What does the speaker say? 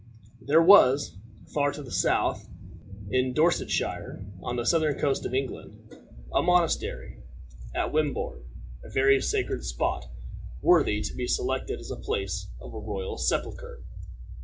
There was, far to the south, in Dorsetshire, on the southern coast of England, a monastery, at Wimborne, a very sacred spot, worthy to be selected as a place of royal sepulture.